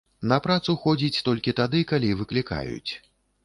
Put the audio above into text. На працу ходзіць толькі тады, калі выклікаюць.